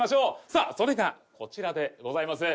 さあそれがこちらでございます。